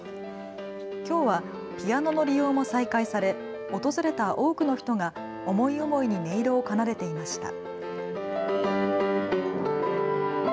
きょうはピアノの利用も再開され訪れた多くの人が思い思いに音色を奏でていました。